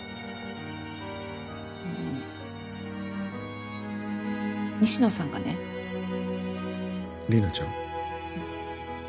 うん西野さんがね。莉奈ちゃん？うん。